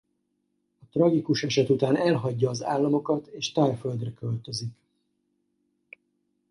A tragikus eset után elhagyja az Államokat és Thaiföldre költözik.